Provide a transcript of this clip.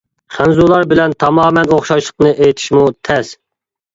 خەنزۇلار بىلەن تامامەن ئوخشاشلىقىنى ئېيتىشمۇ تەس.